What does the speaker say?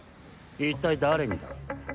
一体誰にだ？